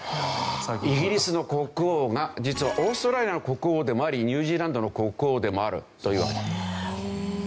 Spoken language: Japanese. イギリスの国王が実はオーストラリアの国王でもありニュージーランドの国王でもあるという。